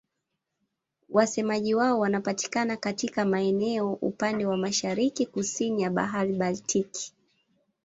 Wasemaji wao wanapatikana katika maeneo upande wa mashariki-kusini ya Bahari Baltiki.